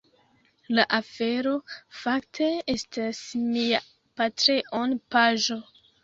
La afero fakte estas mia Patreon paĝo